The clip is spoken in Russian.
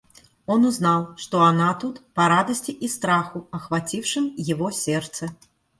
Он узнал, что она тут, по радости и страху, охватившим его сердце.